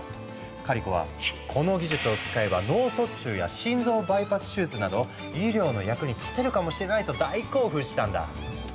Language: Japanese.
カリコは「この技術を使えば脳卒中や心臓バイパス手術など医療の役にたてるかもしれない」と大興奮したんだ。